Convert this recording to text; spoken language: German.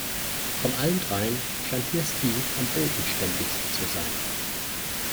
Von allen dreien scheint mir Steve am bodenständigsten zu sein.